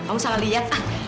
kamu salah liat